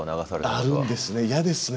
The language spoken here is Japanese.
あるんですね。